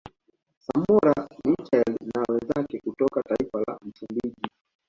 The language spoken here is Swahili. Samora Michaeli na wenzake kutoka taifa la Msumbiji